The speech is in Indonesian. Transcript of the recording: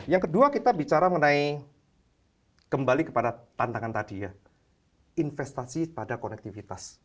yang kedua kita bicara mengenai kembali kepada tantangan tadi ya investasi pada konektivitas